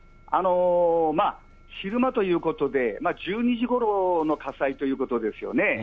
昼間ということで、１２時ごろの火災ということですよね。